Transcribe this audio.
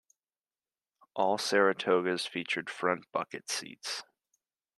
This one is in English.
All Saratogas featured front bucket seats.